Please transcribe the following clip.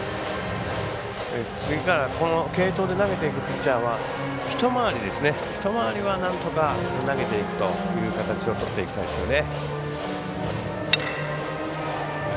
次から継投で投げていくピッチャーは一回りはなんとか投げていくという形をとっていきたいですよね。